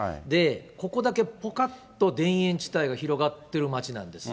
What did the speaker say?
ここだけぽかっと田園地帯が広がってる町なんですよ。